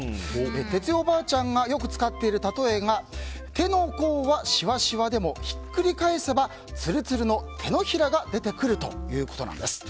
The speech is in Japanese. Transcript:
哲代おばあちゃんがよく使っているたとえが手の甲はしわしわでもひっくり返せばつるつるの手のひらが出てくるということなんです。